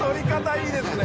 衒いいですね！